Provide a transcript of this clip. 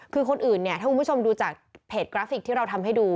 คือคนอื่นเนี่ยถ้าคุณผู้ชมดูจากเพจกราฟิกที่เราทำให้ดู